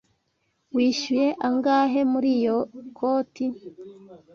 Wishyuye angahe kuri iyo koti?